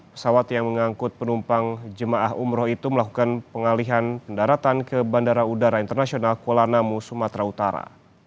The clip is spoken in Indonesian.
pesawat yang mengangkut penumpang jemaah umroh itu melakukan pengalihan pendaratan ke bandara udara internasional kuala namu sumatera utara